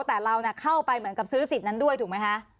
แต่เราเข้าไปเหมือนกับซื้อสิทธิ์นั้นด้วยถูกไหมคะ